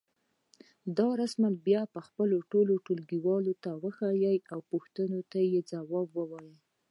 دا رسم بیا خپلو ټولګيوالو ته وښیئ او پوښتنو ته یې ځواب ووایئ.